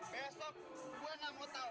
besok gua gak mau tau